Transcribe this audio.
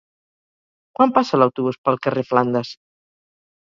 Quan passa l'autobús pel carrer Flandes?